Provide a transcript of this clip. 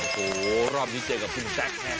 โอ้โฮรอบที่เจอกับคุณแซ็คแพ้